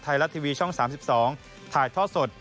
ไทยรัฐทีวีช่อง๓๒ถ่ายท่อสด